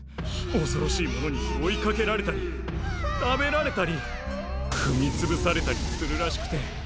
おそろしいものに追いかけられたり食べられたりふみつぶされたりするらしくて。